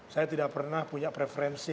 saya tidak pernah punya preferensi